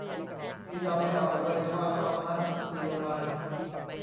นี่เดาไม่ออกเลยว่าตอนนั้นคุยไร